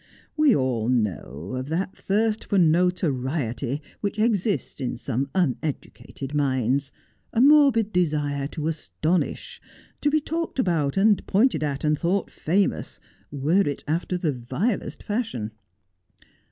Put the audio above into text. We all know of that thirst for notoriety which exists in some uneducated minds — a morbid desire to astonish — to be talked about and pointed at and thought famous, were it after the vilest fashion.